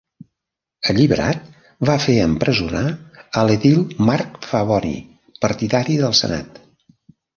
Alliberat, va fer empresonar a l'edil Marc Favoni, partidari del senat.